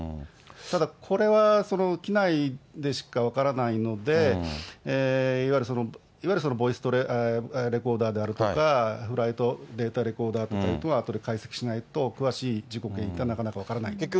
ただこれは、機内でしか分からないので、いわゆるボイスレコーダーであるとか、フライトデータレコーダーとかをあとで解析しないと、詳しい事故原因というのはなかなか分からないと思いますね。